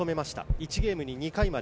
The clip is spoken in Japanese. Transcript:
１ゲームに２回まで。